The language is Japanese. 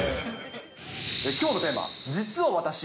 きょうのテーマ、実は私○